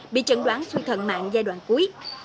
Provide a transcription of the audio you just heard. bị chẩn đoán xuyên thận mạng giai đoạn cuối